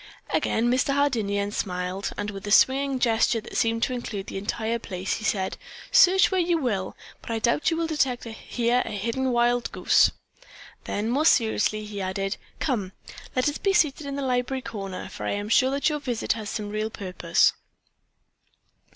Again Mr. Hardinian smiled, and, with a swinging gesture that seemed to include the entire place, he said: "Search where you will, but I doubt if you will detect here a hidden wild goose." Then, more seriously, he added: "Come, let us be seated in the library corner, for I am sure that your visit has some real purpose."